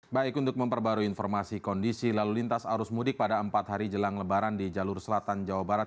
baik untuk memperbarui informasi kondisi lalu lintas arus mudik pada empat hari jelang lebaran di jalur selatan jawa barat